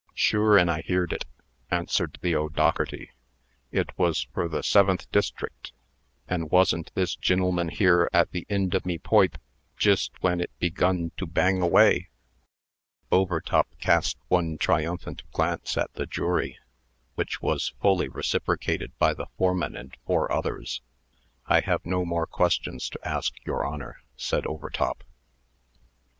"Shure, an' I heerd it," answered the O'Dougherty. "It was fur the Seventh District. An' wasn't this gin'leman here at the ind o' me poipe, jist when it begun to bang away?" Overtop cast one triumphant glance at the jury, which was fully reciprocated by the foreman and four others. "I have no more questions to ask, your Honor," said Overtop.